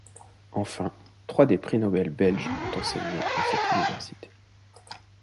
Enfin, trois des prix Nobel belges ont enseigné dans cette université.